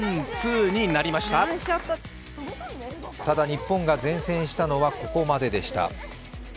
ただ日本が善戦したのはここまででした。